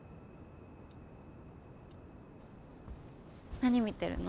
何見てるの？